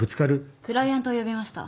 クライアントを呼びました。